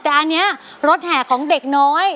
แต่อันนี้รถแห่ของเด็กน้อย